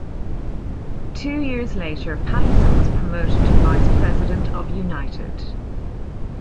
Two years later, Patterson was promoted to vice president of United.